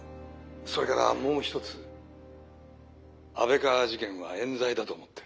それからもう一つ安倍川事件はえん罪だと思ってる。